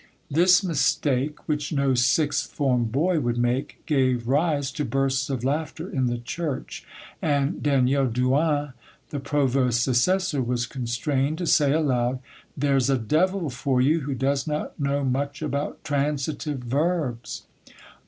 This mistake, which no sixth form boy would make, gave rise to bursts of laughter in the church; and Daniel Douin, the provost's assessor, was constrained to say aloud— "There's a devil for you, who does not know much about transitive verbs."